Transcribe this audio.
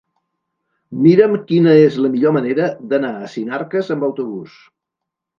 Mira'm quina és la millor manera d'anar a Sinarques amb autobús.